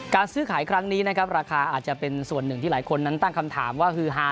ซื้อขายครั้งนี้นะครับราคาอาจจะเป็นส่วนหนึ่งที่หลายคนนั้นตั้งคำถามว่าฮือฮา